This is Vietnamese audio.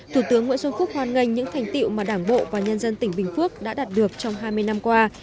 thủ tướng nguyễn xuân phúc hoan nghênh những thành tiệu mà đảng bộ và nhân dân tỉnh bình phước đã đạt được trong hai mươi năm qua